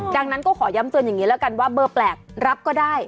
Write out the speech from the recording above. ดังนั้นก็ขอย้ำเตือนอย่างนี้แล้วกันว่าเบอร์แปลกรับก็ได้